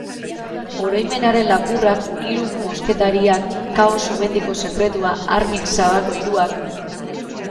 Oroimenaren lapurrak, Hiru mosketariak, Kao-Sumendiko sekretua, Armix sagako hiruak...